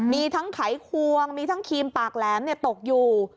มีทั้งไขควงมีทั้งครีมปากแหลมตกอยู่